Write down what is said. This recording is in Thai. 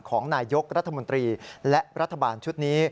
ของนายยกรัฐมนตรีและรัฐบาลชุดนี้